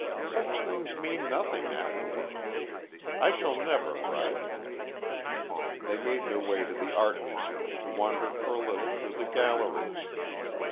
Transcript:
Such things mean nothing afterward. I shall never write." They made their way to the Art Museum to wander for a little through the galleries.